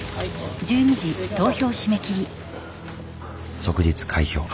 即日開票。